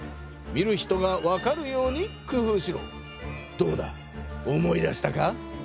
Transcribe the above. どうだ思い出したか？